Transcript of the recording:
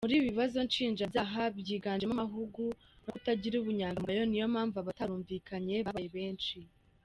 Muri ibi bibazo nshinjabyaha byiganjemo amahugu no kutagira ubunyangamugayo, niyo mpamvu abatarumvikanye babaye benshi.